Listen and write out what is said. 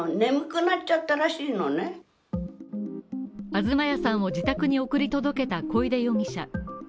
東谷さんを自宅に送り届けた小出容疑者。